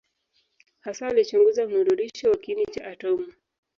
Hasa alichunguza mnururisho wa kiini cha atomu.